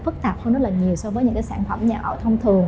phức tạp hơn rất nhiều so với những sản phẩm nhà ở thông thường